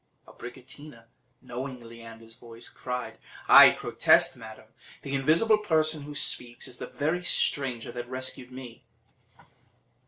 Abricotina, knowing Leander's voice, cried: "I protest, madam, the invisible person who speaks is the very stranger that rescued me."